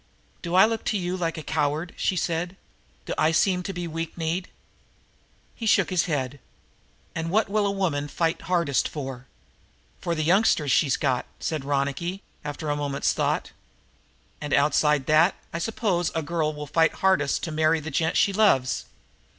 "Do I look to you like a coward?" she said. "Do I seem to be weak kneed?" He shook his head. "And what will a woman fight hardest for?" "For the youngsters she's got," said Ronicky after a moment's thought. "And, outside of that, I suppose a girl will fight the hardest to marry the gent she loves."